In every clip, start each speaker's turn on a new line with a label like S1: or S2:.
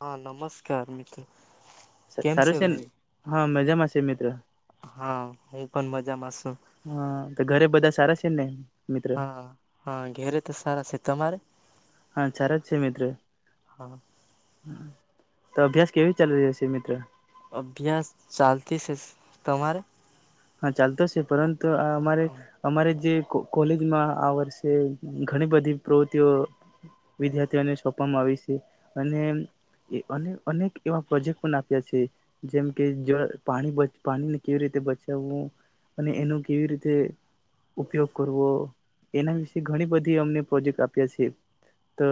S1: હા, નમસ્કાર મિતુલ.
S2: સ સારૂ સેન. હા, મજામાં સે, મિત્ર.
S1: હા, એ પન મજામાં સું.
S2: તેન્ને
S1: હા, હા, ઘેરે તો સારા સે, તમારે.
S2: હા, ચાર જ છે મિત્ર. હ.
S1: હા
S2: તો અભ્યાસ કેવી ચાલી રહ્યો સે મિત્ર.
S1: અભ્યાસ ચાલતી સેસ તમારે?
S2: હા, ચાલતો સે, પરંતુ આ અમારે અમારે જે કો કોલેજમાં આ વર્ષે ઘણી બધી પ્રવૃત્તિઓ વિદ્યાર્થીઓને સોંપવામાં આવી સે, અને એમ એ અને અનેક એવા પ્રોજેક્ટ પન આપ્યા છે, જેમ કે જળ પાણી બચ પાણીને કેવી રીતે બચ અને અને એનો કેવી રીતે ઉપયોગ કરવો. એના વિશે ઘણી બધી અમને પ્રોજેક્ટ આપ્યા સે, તો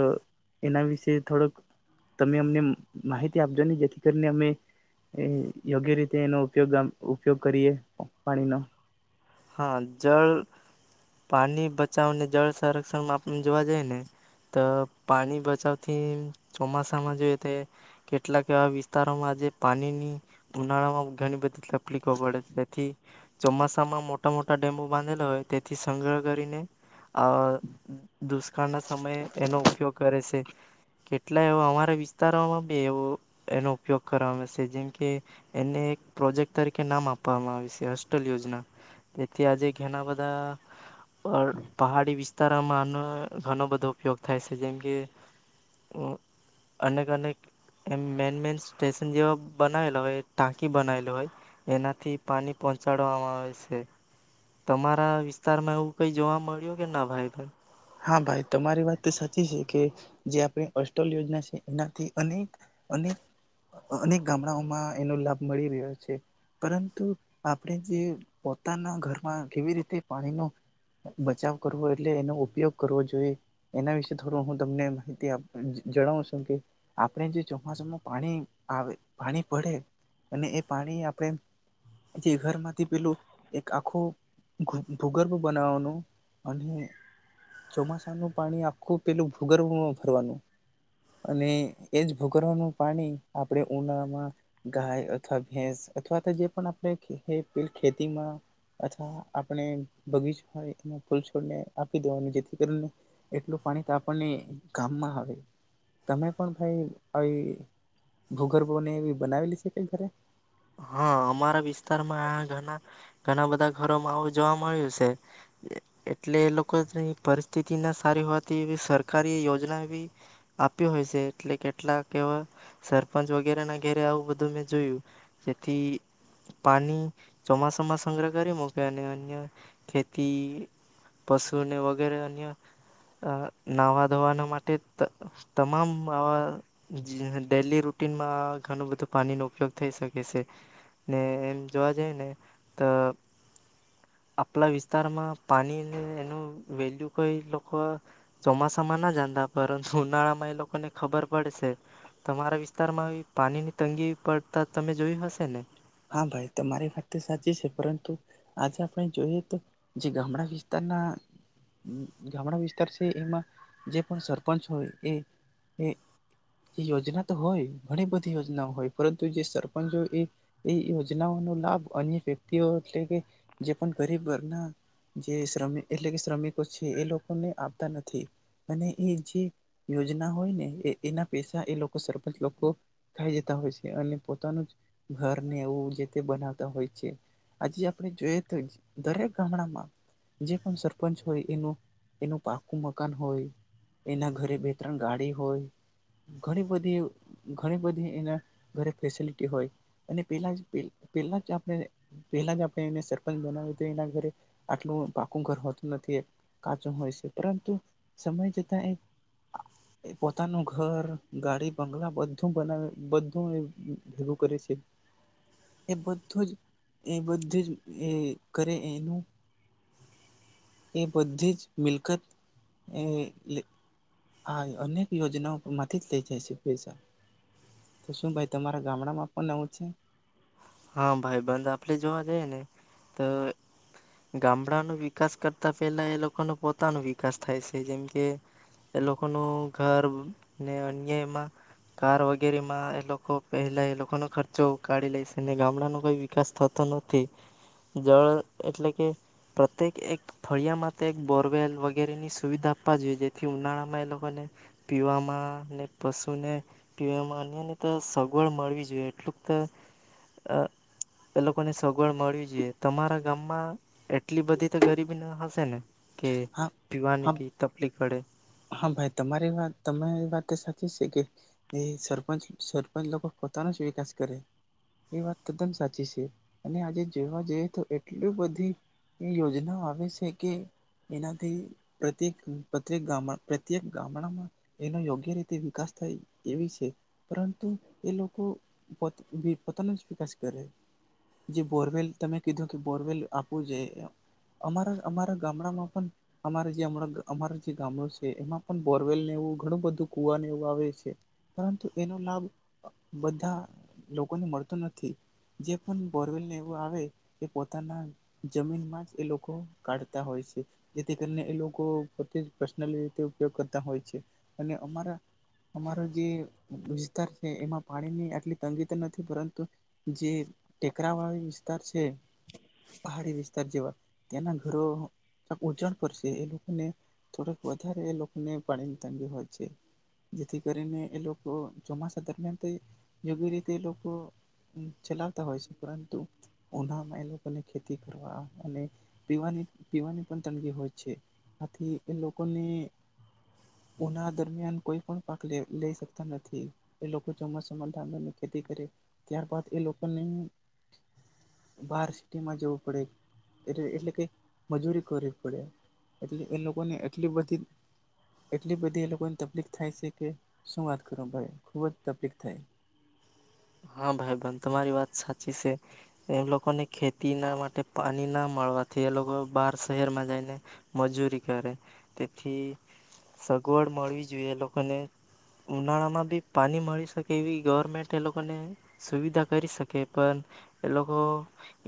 S2: એના વિશે થોડોક તમે અમને માહિતી આપજો ને જેથી કરીને અમે યોગ્ય રીતે એનો ઉપયોગ આમ ઉપયોગ કરીએ. પાણીનો
S1: હા, જલ પાની બચાવને જળ સંરક્ષણમાં આપને જોવા જઈએ ને તો પાની બચાવથી ચોમાસામાં જોઈએ તે એ કેટલાક એવા વિસ્તારોમાં આજે પાનીની ઉનાળામાં ઘણી બધી તકલીફો પડે તેથી ચોમાસામાં મોટ ટા મોટા ડેમો બાંધેલા હોય તેથી સંગ્રહ કરીને આઅ દુષ્કાળના સમયે એનો ઉપયોગ કરે સે, કેટલાય એવા અમારા વિસ્તારોમાં બી એવો એનો ઉપયોગ કરવામાં સે, જેમ કે એમને એક પ્રોજેક્ટ તરીકે નામ આપવામાં આવે સે, હોસ્ટેલ યોજના જેથી આજે ઘના બધા પહ પહાડી વિસ્તારોમાં આનો ધનો બધો ઉપયોગ થાય સે, જેમ કે અનેક અનેક એમ મેન મેન સ્ટેશન જેવા બનાવેલા હોય ટાંકી બનાવેલી હોય, એનાથી પાની પહોંચાડવામાં આવે સે. તમારા વિસ્તારમાં એવું કઈ જોવા મળ્યું કે ના ભાઈ
S2: હા, ભાઈ તમારી વાત સાચી છે, કે જે આપણી અસ્ટલ યોજના સે એનાથી અનેક અનેક અનેક ગામડાઓમાં એનો લાભ મળી રહ્યો છે, પરંતુ આપડે જે પોતાના ઘરમાં કેવી રીતે પાણીનો બચાવ કરવો એટલે એનો ઉપયોગ કરવો જોઈએ. એના વિશે થોડું હું તમને માહિતી આપું જ જણાવું શું કે આપણે જે ચોમાસામાં પાણી આવે પાણી પડે અને એ પાણી આપણે જે ઘરમાંથી પેલું એક આખું [unintelligible] ભૂગર્ભ બનાવવાનું અને ચોમાસાનું પાણી આખું પેલું ભૂગર્ભમાં ભરવાનું અને એજ ભૂગર્ભનું પાણી આપડે ઉનાળામાં ગાય અથવા ભેંસ અથવા તો જે પણ આપણે ખેતી ખેતીમાં અથવા આપણે બગીચા હોય એ ફૂલછોડને આપી દેવાનું જેથી એટલું એટલું પાણી તો આપણને ગામમાં આવે. તમે પણ ભાઈ આવી ભૂગર્ભોને એવી બનાવેલી સે, કઈ ઘરે?
S1: હા, અમારા વિસ્તારમાં ઘના ઘના બધા ઘરોમાં આવું જોવા મળ્યું સે, એટલે એ લોકોની પરિસ્થિતિ ના સારી હોવાથી એવી સરકારી યોજના બી આપી હોય સે, એટલે કેટલાક એવા સરપંચ વગેરેના ઘેરે આવું બધું મેં જોયું જેથી પાની ચોમાસામાં સંગ્રહ કરી મૂકે અને અન્ય ખેતી પશુને વગેરે અન્ય અ નાહવા ધોવાના માટે ત તમામ આવા જી ડેલી રૂટીનમાં ઘનુ બધું પાનીનો ઉપયોગ થઈ શક એ સે ને એમ જોવા જઈ ને તો આપલા વિસ્તારમાં પાનીને એનું વેલ્યુ કોઈ લોકો ચોમાસામાં ના જાનતા પરંતુ ઉનાળામાં એ લોકોને ખબર પડશે. તમારા વિસ્તારમાં એવી પાનીની તંગી પડતા તમે જોયું હશે ને.
S2: હા, ભાઈ તમારી વાત તો સાચી સે, પરંતુ આજે આપણે જોઈએ તો જે ગામડા વિસ્તારના ગામડા વિસ્તાર છે, એમાં જે પણ સરપંચ હોય એ એ યોજના તો હોય ઘણી બધી યોજનાઓ હોય પરંતુ જે સરપંચ હોય એ એ યોજનાઓનો લાભ અન્ય વ્યક્તિઓ એટલે કે જે પન ગરીબ વર્ગના જે શ્રમી એટલે કે શ્રમિકો છે એ લોકોને આપતા નથી. અને એ જે યોજના હોય ને એ એના પૈસા એ લોકો સરપંચ લોકો ખાઈ જતા હોય સે, અને પોતાનું જ ઘર ને એવું જે તે બનાવતા હોય છે. આજે આપને જોઈએ તો દરેક ગામડામાં જે પન સરપંચ હોય એનું એનું પાકું મકાન હોય, એના ઘરે બે ત્રણ ગાડી હોય, ઘણી બધી ઘણી બધી એના ઘરે ફેસિલિટી હોય. અને પેલા જ પેલ પેલા જો આપણે પેલા જો આપણે એને સરપંચ બનાવીએ તો એના ઘરે આટલું પાકું ઘર હોતું નથી, કાચું હોય સે, પરંતુ સમય જતા એ પોતાનું ઘર, ગાડી, બંગલા બધું બનાવે બધું ભેગું કરે સે. એ બધું જ એ બધું જ એ કરે એનું એ બધી જ મિલકત એ લે આ અનેક યોજનાઓ માંથી જ લઇ જાય છે પૈસા. તો શું ભાઈ તમારા ગામડામાં પન આવું છે?
S1: હા, ભાઈબંધ આપલે જોવા જઈએ ને તો ગામડાનો વિકાસ કરતા પેલા એ લોકો ન પોતાનો વિકાસ થાય સે. જેમ કે, એ લોકોનું ઘર ને અન્ય એમાં કાર વગેરેમાં એ લોકો પહેલા એ લોકોનો ખર્ચો કઢી લે સ અને ગામડાનો કોઈ વિકાસ થતો નથી. જળ એટલે કે પ્રત્યેક એક ફળિયામાં તો એક બોરવેલ વગેરેની સુવિધા આપા જોઈએ જેથી ઉનાળામાં એ લોકોને પીવામાં ને પશુને પીવામાં અન્યને તો સગવડ મળવી જોઈએ એટલુંક ત અ એ લોકોન સગવડ મળવી જોઈએ. તમારા ગામમાં એટલી બધી તો ગરીબી ન હશે ને? કે
S2: હા હા
S1: પીવાની બી તફલીક પડે.
S2: હા, ભાઈ તમારી વાત તમે એ વાત સાચી સે કે એ સરપંચ સરપંચ લોકો પોતાનો જ વિકાસ કરે. એ વાત તદ્દન સાચી છે. અને આજે જોવા જોઈએ તો એટલી બધી એ યોજનાઓ આવે છે કે એનાથી પ્રત્યેક પ્રત્યેક ગામડા પ્રત્યેક ગામડામાં એનો યોગ્ય રીતે વિકાસ થાય એવી છે. પરંતુ એ લોકો પોત-ભી-પોતાનો જ વિકાસ કરે. જે બોરવેલ તમે કીધુંતું બોરવેલ આપવું જોઈએ. અમારા અમારા ગામડામાં પણ અમારા જે હમડે અમારે જે ગામડું સે એ એમાં પણ બોરવેલને એવું ઘણું બધું કુવાને એવું આવે છે. પરંતુ એનો લાભ બધા લોકોને મળતો નથી. જે પણ બોરવેલને એવું આવે એ પોતાના જમીનમાં જ એ લોકો કાઢતા હોય છે. જેથી કરીને એ લોકો પોતે પર્સનલી તે ઉપયોગ કરતા હોય છે અને અમારા અમારો જે વિસ્તાર છે એમાં પાણીની આટલી તંગી તો નથી પરંતુ જે ટેકરાવાળી વિસ્તાર છે, પહાડી વિસ્તાર જેવા એના ઘરો ઉજણ પર છે એ લોકોને થોડાક વધ ધારે એ લોકોને પાણીની તંગી હોય છે. જેથી કરીને એ લોકો ચોમાસા દરમિયાન ત યોગ્ય રીતે એ લોકો ચલાવતા હોય છે. પરંતુ ઉનાળમાં એ લોકોને ખેતી કરવા અને પીવાની પીવાની પણ તંગી હોય છે. આથી એ લો કોની ઉનાળ દરમિયાન કોઈ પણ પાક લેઈ-લઈ શકતા નથી. એ લોકો ચોમાસામાં ડાંગરની ખેતી કરે ત્યારબદ એ લોકોને બાર સિટીમાં જવું પડે. એટલે એટલે કે મજૂરી કરવી પડેએટલે એ લોકોને એટ બધી એટલી બધી એ લોકોને તફલીક થાય છે કે શું વાત કરો ભાઈ ખૂબ જ તફલીક થાય.
S1: હા ભાઈબંધ તમારી વાત સાચી સે. એમ લોકોને ખેતીના માટે પણી ના મળવાથી એ લોકો બાર શહેરમાં જઈને મજૂરી કરે. તેથી સગવડ મળવી જોઈએ એ લોકોને ઉનાળામાં બી પાણી મળી શકે એવી ગવર્મેન્ટ એ લો લોકોને સુવિધા કરી શકે પણ એ લોકો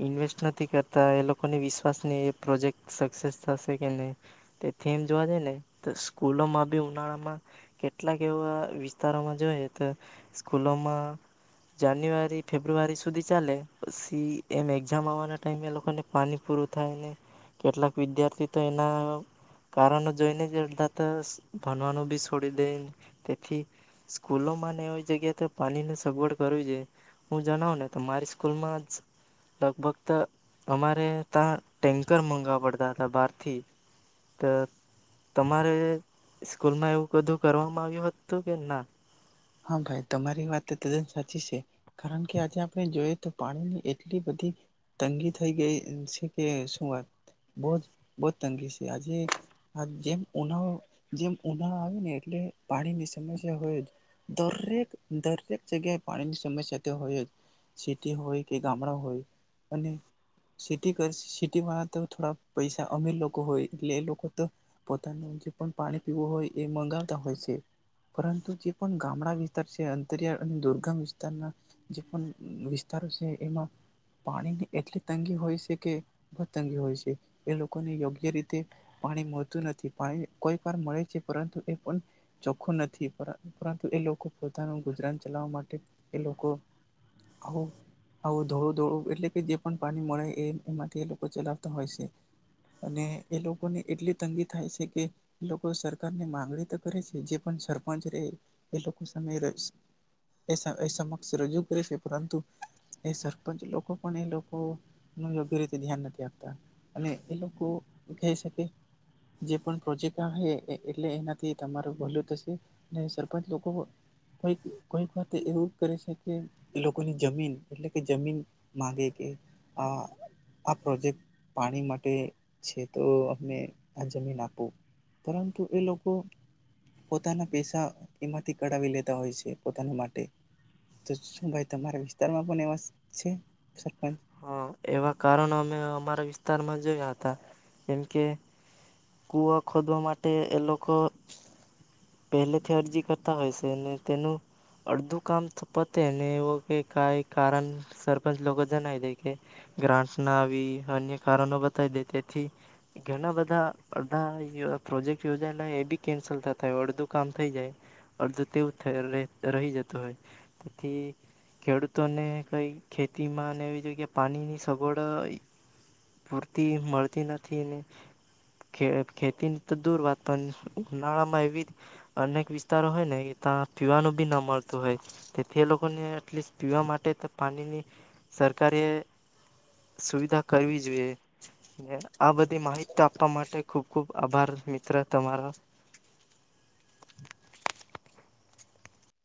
S1: ઇન્વેસ્ટ નથી કરતા એ લોકોની વિશ્વાસ ની એ પ્રોજેક્ટ સક્સેસ થશે કે નહીં. તેથી એમ જોવા જઈ ને તો સ્કૂલોમાં બી ઉનાળામાં કેટલાક એવા વિસ્તારોમાં જોઈએ તો સ્કૂલોમાં જાન્યુઆરી ફેબ્રુઆરી સુધી ચાલે પસી એમ એક્ઝામ આવવાના ટાઈમે એ લોકોને પાણી પૂરું થાય ને કેટલાક વિદ્યાર્થી તો એના કારણો જોઈને જ અલધા તો ભનવાનું બી સોડી દે. તેથી સ્કૂલોમાંને એવી જગ્યા તો પાણીન સુવિ સગવડ કરવી જોઈએ. હું જણાવ ને તો મારી સ્કૂલમાં જ લગભગ ત અમારે તાં ટેન્ક મંગાવા પડતા હતા બહારથી ત તમારે સ્કૂલમાં એવું બધું કરવામાં આવ્યું હતું કે ના?
S2: હા, ભાઈ તમારી વાત ત તદ્દન સાચી છે. કારણ કે આજે આપણે જોઈએ તો પાણીની એટલી બધી તંગી થઈ ગઈ છે કે શું વાત બહોજ બહોજ તંગી છે. આજે આજ જેમ ઉનાળો જેમ ઉનાળો આવે ને એટલે પાણીની સમસ્યા હોય જ. દરેક દરેક જગ્યાએ પાણીની સમસ્યા તો હોય જ. સિટી હોય કે ગામડા હોય અને સિટી કર સિટીવાળા તો થોડા પૈસા અમીર લોકો હોય એટલે એ લોકો તો પોતાનું જે પણ પાણી પીવું હોય એ મંગાવતા હોય છે. પરંતુ જે પણ ગામડા વિસ્તાર છે અંતરિયાળ અને દુર્ગમ વિસ્તારના જે પણ વિસ્તારો છે એમાં પાણીની એટલી તંગી હોય છે કે બો જ તંગી હોય છે. એ લોકોને યોગ્ય રીતે પાણી મળતું નથી. પાણી કોઈ વાર મળે છે પરંતુ એ પણ ચોખ્ખું નથી. પરંતુ એ લોકો પોતાનું ગુજરાન ચલાવવા માટે એ લોકો આવું આવું ધોડું ધોડું એટલે કે જે પણ પાણી મળે એ એમાંથી એ લોકો ચલાવતા હોય છે અને એ લોકોને એટલી તંગી થાય છે કે એ લોકો સરકારની માંગણી તો કરે છે જે પણ સરપંચ રે એ લોકો સામે રસ એ એ સમક્ષ રજૂ કરે છે પરંતુ એ સરપંચ લોકો પણ એ લોકોનું યોગ્ય રીતે નિહાર નથી આપતા અને એ લોકો કેય સે કે જે પણ પ્રોજેક્ટ આવહે એટ-એટલે એનાથી તમારું ભલું થશે. લોકો કોઈક વાત એવું જ કરે છે કે એ લોકોની જમીન એટલે કે જમીન માંગે કે આ આ પ્રોજેક્ટ પાણી માટે છે તો અમે આ જમીન આપો પરંતુ એ લોકો પોતાના પેસા એમાંથી કઢાવી લેતા હોય છે, પોતાના માટે. તો શું ભાઈ તમારા વિસ્તારમાં પણ એવા સ છે સરપંચ
S1: હન, એવા કારણ અમે અમારા વિસ્તા - વિસ્તારમાં જોયા હતા. એમ કે, કૂવા ખોદવા માટે એ લોકો પહેલેથી અરજી કરતા હોય સે ને તેનું અડધું કામ ત પતે ને એવું કે કાંઈ કારણ સરપંચ લોકો જણાઈ દે કે ગ્રાન્ટ ના આવી અન્ય કારણો બતાઈ દે તેથી ઘણા બધા અડધા પ્રોજેક્ટ યોજાયેલા એ બી કેન્સલ થા યો અડધું કામ થઈ જાય અડધું તેવું થયેલ રેહ રહી જતું હોય. તેથી ખેડૂતોને કઈ ખેતીમાં ને એવી જગ્યાએ પાણીની સગવડ પૂરતી મળતી નથી ને ખે-ખેતીન તો દૂર વાત પણ ઉનાળામાં વિવિધ અનેક વિસ્તારો હોય ને તાં પીવાનું બી ન મળતું હોય. તેથી તે લોકોને એટલીસ્ટ પીવા માટે ત પાણીની સરકારે સુવિધા કરવી જોઈએ ને આ બધી માહિતી આપવા માટે ખૂબ ખૂબ આભાર મિત્ર તમારો.